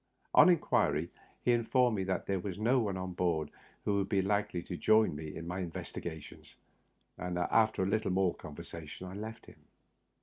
On inquiry, he informed me that there was no one on board who would be likely to join me in my investigations, and after a little more conversation I left him.